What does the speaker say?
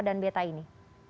dan beta ini